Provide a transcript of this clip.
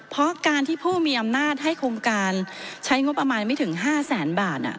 เพราะการที่ผู้มีอำนาจให้โครงการใช้งบประมาณไม่ถึง๕แสนบาท